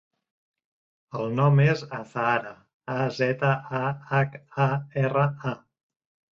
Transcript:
El nom és Azahara: a, zeta, a, hac, a, erra, a.